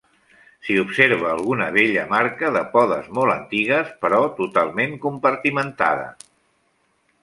S'hi observa alguna vella marca de podes molt antigues, però totalment compartimentada.